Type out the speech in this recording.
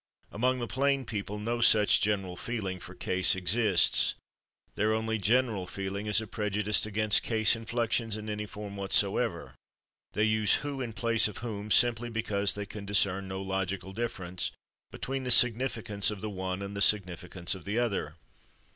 Among the plain people no such "general feeling" for case exists. Their only "general feeling" is a prejudice against case inflections in any form whatsoever. They use /who/ in place of /whom/ simply because they can discern no logical difference between the significance of the one and the significance of the other.